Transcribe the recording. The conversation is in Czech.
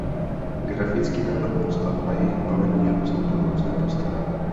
Grafický návrh postav a jejich vybavení je různý pro různé postavy.